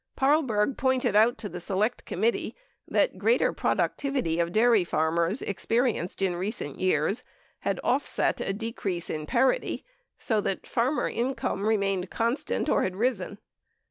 Paarlberg pointed out to the Select Committee that greater productivity of dairy farmers, experienced in recent years, has olfset a decrease in parity, so that farmer income has remained constant or has risen.